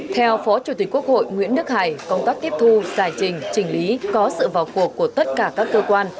theo phó chủ tịch quốc hội nguyễn đức hải công tác tiếp thu giải trình chỉnh lý có sự vào cuộc của tất cả các cơ quan